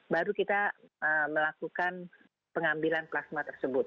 baru kita melakukan pengambilan plasma tersebut